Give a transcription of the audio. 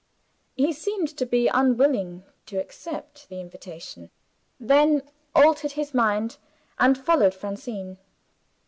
He seemed to be unwilling to accept the invitation then altered his mind, and followed Francine.